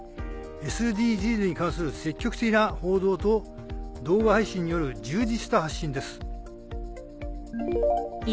ＳＤＧｓに関する積極的な報道と動画配信による充実した発信です。